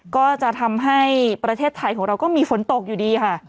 ก็จะทำให้ประเทศไทยของเราก็มีฝนตกอยู่ดีค่ะ